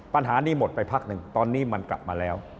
ปัญหานี้หมดไปพักหนึ่งตอนนี้มันกลับมาแล้ว